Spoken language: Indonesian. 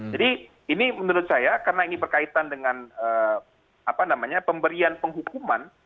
jadi ini menurut saya karena ini berkaitan dengan pemberian penghukuman